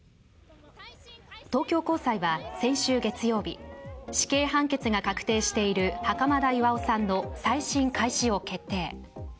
東京高裁は先週月曜日死刑判決が確定している袴田巌さんの再審開始を決定。